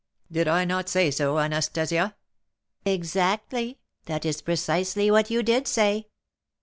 did I not say so, Anastasia?" "Exactly; that is precisely what you did say."